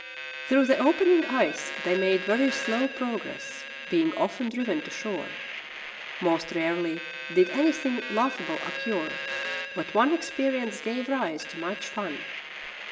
Through the opening ice they made very slow prog ress, being often driven to shore. Most rarely did anything laughable occur, but one experience gave rise to much fun.